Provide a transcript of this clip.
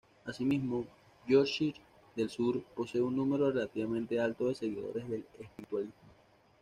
Asimismo, Yorkshire del Sur posee un número relativamente alto de seguidores del espiritualismo.